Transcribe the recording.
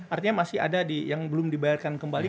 artinya masih ada yang belum dibayarkan kembali